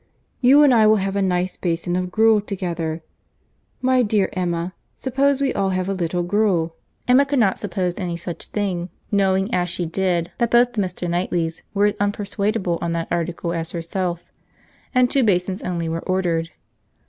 —You and I will have a nice basin of gruel together. My dear Emma, suppose we all have a little gruel." Emma could not suppose any such thing, knowing as she did, that both the Mr. Knightleys were as unpersuadable on that article as herself;—and two basins only were ordered.